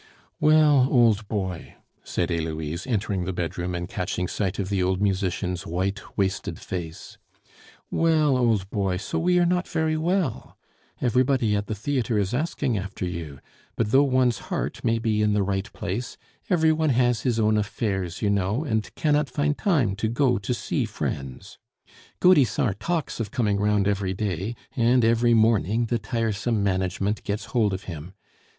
"Well, old boy," said Heloise, entering the bedroom and catching sight of the old musician's white, wasted face. "Well, old boy, so we are not very well? Everybody at the theatre is asking after you; but though one's heart may be in the right place, every one has his own affairs, you know, and cannot find time to go to see friends. Gaudissart talks of coming round every day, and every morning the tiresome management gets hold of him.